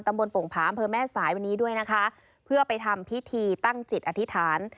บนโป่งผาอำเภอแม่สายวันนี้ด้วยนะคะเพื่อไปทำพิธีตั้งจิตอธิษฐาน